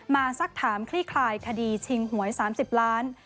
สักถามคลี่คลายคดีชิงหวย๓๐ล้าน